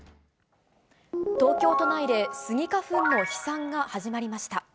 東京都内でスギ花粉の飛散が始まりました。